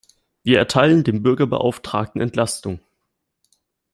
Wir erteilen dem Bürgerbeauftragten Entlastung.